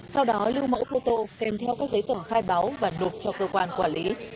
sau đó lưu mẫu photo kèm theo các giấy tờ khai báo và nộp cho cơ quan quản lý